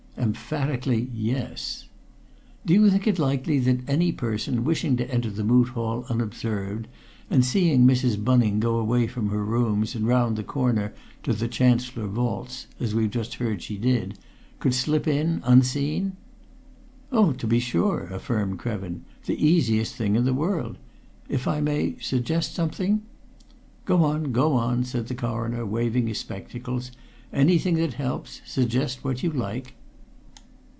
"Emphatically yes." "Do you think it likely that any person wishing to enter the Moot Hall unobserved and seeing Mrs. Bunning go away from her rooms and round the corner to the Chancellor Vaults as we've just heard she did could slip in unseen?" "Oh, to be sure!" affirmed Krevin. "The easiest thing in the world! If I may suggest something ?" "Go on, go on!" said the Coroner, waving his spectacles. "Anything that helps suggest whatever you like."